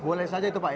boleh saja itu pak ya